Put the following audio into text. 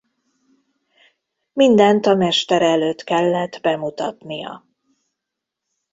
Mindent a mestere előtt kellett bemutatnia.